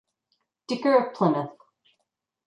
Dicker of Plymouth.